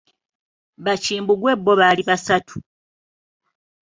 Bakimbugwe bo baali basatu.